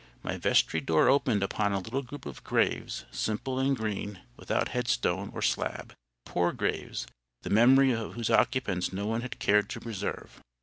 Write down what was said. My vestry door opened upon a little group of graves, simple and green, without headstone or slab; poor graves, the memory of whose occupants no one had cared to preserve.